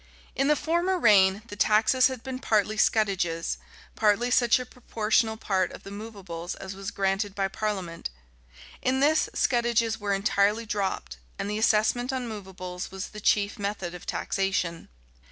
In the former reign, the taxes had been partly scutages, partly such a proportional part of the movables as was granted by parliament; in this, scutages were entirely dropped, and the assessment on movables was the chief method of taxation.